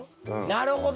なるほど！